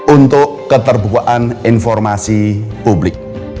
untuk keterbukaan informasi publik